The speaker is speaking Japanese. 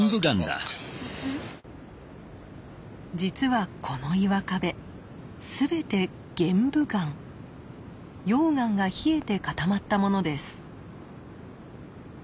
実はこの岩壁全て溶岩が冷えて固まったものです。